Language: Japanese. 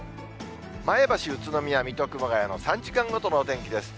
前橋、宇都宮、水戸、熊谷の３時間ごとのお天気です。